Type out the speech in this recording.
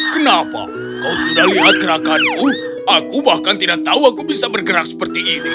kenapa kau sudah lihat gerakanmu aku bahkan tidak tahu aku bisa bergerak seperti ini